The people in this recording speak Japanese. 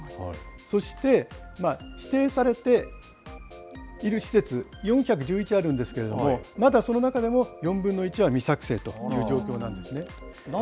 そして指定されている施設、４１１あるんですけれども、まだその中でも４分の１は未作成という状況なんですね。